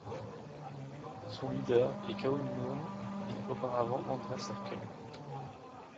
Son leader est Kaul Nurm, et auparavant Andres Herkel.